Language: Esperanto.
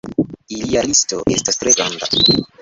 Ilia listo estas tre granda.